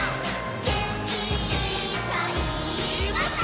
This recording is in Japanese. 「げんきいっぱいもっと」